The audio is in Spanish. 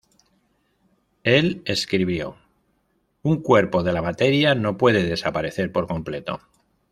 Él escribió "un cuerpo de la materia no puede desaparecer por completo.